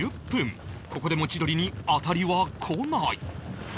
ここでも千鳥に当たりはこない